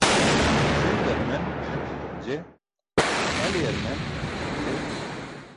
Sindar men? Je, taliyar men? Je.